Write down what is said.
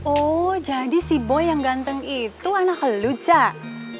oh jadi si boy yang ganteng itu anak lu cak